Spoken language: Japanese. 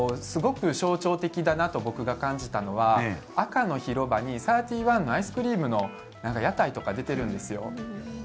すごく象徴的だなと僕が感じたのは赤の広場にサーティワンのアイスクリームの屋台とか出てるんですよ。